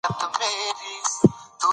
افغانستان له بامیان ډک دی.